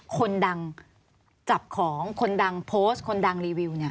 คนดังจับของคนดังโพสต์คนดังรีวิวเนี่ย